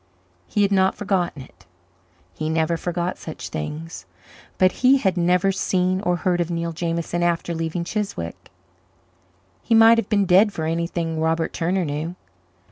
He had not forgotten it he never forgot such things but he had never seen or heard of Neil Jameson after leaving Chiswick. He might have been dead for anything Robert Turner knew.